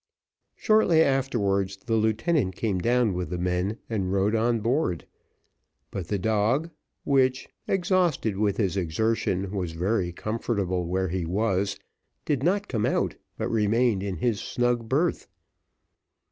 Shortly afterwards the lieutenant came down with the men, and rowed on board but the dog, which, exhausted with his exertion, was very comfortable where he was, did not come out, but remained in his snug berth.